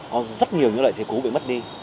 có rất nhiều những loại thế cú bị mất đi